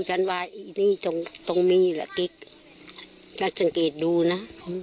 ฉันว่าอีกนี้ต้องมีแหละกิ๊กฉันสังเกตดูนะ